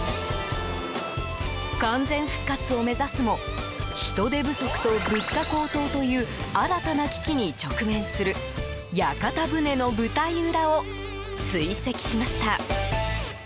完全復活を目指すも人手不足と物価高騰という新たな危機に直面する屋形船の舞台裏を追跡しました。